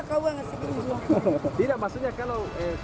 kenapa kau uang kasih gini